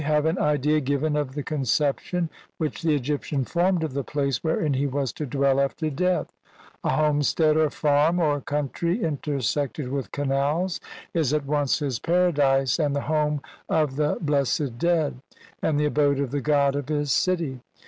Here we have an idea given of the conception which the Egyptian formed of the place wherein he was to dwell after death. A homestead or farm, or country, intersected with canals is at once his paradise and the home of the blessed dead, and the abode of the god of his city.